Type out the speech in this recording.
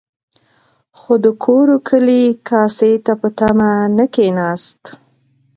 خو د کورو کلي کاسې ته په تمه نه کېناست.